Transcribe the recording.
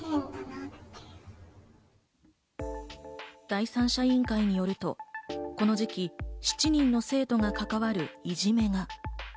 第三者委員会によると、この時期、７人の生徒が関わるいじめが。